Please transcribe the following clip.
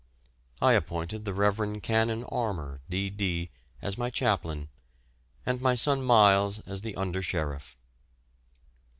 I appointed the Rev. Canon Armour, D.D., as my chaplain, and my son Miles as the under sheriff.